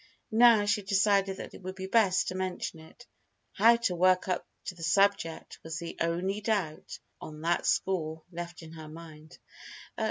Now, she decided that it would be best to mention it. How to work up to the subject was the only doubt on that score left in her mind.